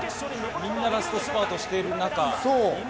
みんな、ラストスパートをしてる中。